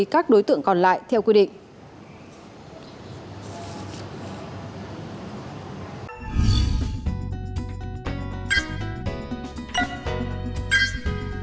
các đối tượng còn lại theo quy định